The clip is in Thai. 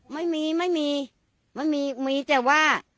ไม่มีไม่มีไม่มีมีแต่ว่า